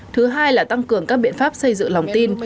thứ hai là tăng cường các biện pháp xây dựng lòng tin